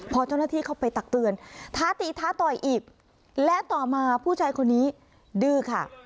พอเจ้าหน้าที่เข้าไปตักเตือนท้าตีท้าต่อยอีกและต่อมาผู้ชายคนนี้ดื้อค่ะ